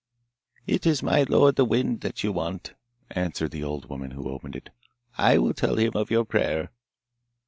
'It is my lord, the Wind, that you want,' answered the old woman who opened it. 'I will tell him of your prayer.